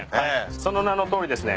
その名のとおりですね